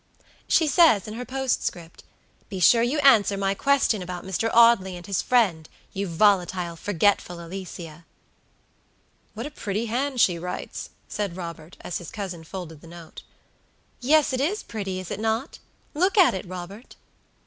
"She says in her postcript, 'Be sure you answer my question about Mr. Audley and his friend, you volatile, forgetful Alicia!'" "What a pretty hand she writes!" said Robert, as his cousin folded the note. "Yes, it is pretty, is it not? Look at it, Robert."